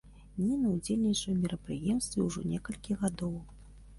Ніна ўдзельнічае ў мерапрыемстве ўжо некалькі гадоў.